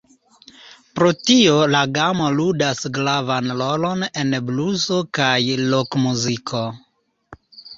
Pro tio la gamo ludas gravan rolon en bluso kaj rokmuziko.